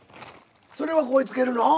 それはここに付けるの？